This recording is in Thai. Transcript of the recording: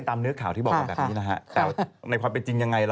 แต่ในประบาดเป็นจริงยังไง